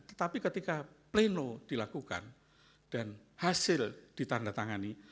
tetapi ketika pleno dilakukan dan hasil ditandatangani